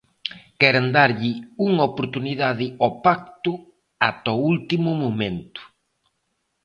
Queren darlle unha oportunidade ao pacto ata o último momento.